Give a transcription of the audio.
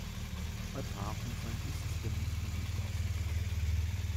Bei Paarhufern ist der Muskel nicht ausgebildet.